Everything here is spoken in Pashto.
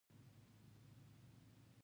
زه د ښوونځي ناستې برخه یم.